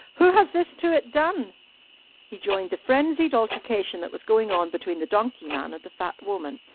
Who has this to it done?" He joined the frenzied altercation that was going on between the donkey man and the fat woman.